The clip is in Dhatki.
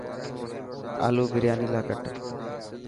آلو برياني لاءِ ڪٽ.